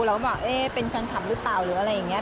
เราก็บอกเอ๊ะเป็นแฟนคลับหรือเปล่าหรืออะไรอย่างนี้